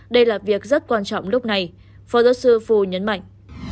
đây là việc rất quan trọng lúc này phó giáo sư phù nhấn mạnh